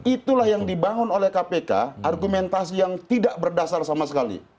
itulah yang dibangun oleh kpk argumentasi yang tidak berdasar sama sekali